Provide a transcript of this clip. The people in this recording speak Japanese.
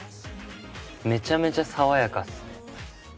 めちゃめちゃ爽やかっすね。